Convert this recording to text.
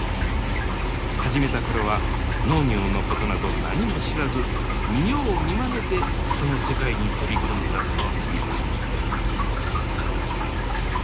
始めたころは農業のことなど何も知らず見よう見まねでこの世界に飛び込んだといいます